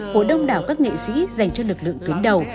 của đông đảo các nghệ sĩ dành cho lực lượng tuyến đầu